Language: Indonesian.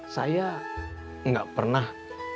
saya nggak pernah